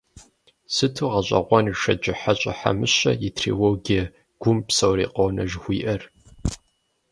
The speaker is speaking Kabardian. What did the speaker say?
Сыту гъэщӏэгъуэн Шэджыхьэщӏэ Хьэмыщэ и трилогие «Гум псори къонэ» жыхуиӏэр!